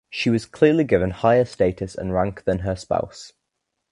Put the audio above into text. She was clearly given higher status and rank than her spouse.